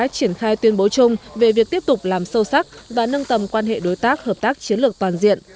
triển khai tuyên bố chung về việc tiếp tục làm sâu sắc và nâng tầm quan hệ đối tác hợp tác chiến lược toàn diện